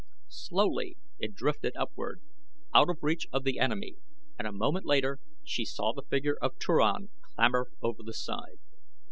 Slowly it drifted upward, out of reach of the enemy, and a moment later she saw the figure of Turan clamber over the side.